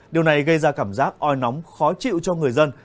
điều này gây ra cảm giác oi nóng khó chịu cho người dân